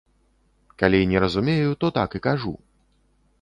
Калі не разумею, то так і кажу.